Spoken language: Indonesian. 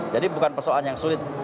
jadi bukan persoalan yang sulit